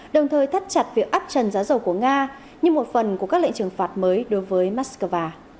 đồng thời thắt chặt việc áp trần giá dầu của nga như một phần của các lệnh trừng phạt mới đối với moscow